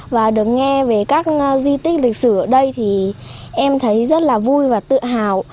và được nghe về các di tích lịch sử ở đây thì em thấy rất là vui và tự hào